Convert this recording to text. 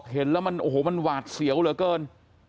เห็นแล้วมันโอ้โหมันหวาดเสียวเหลือเกิน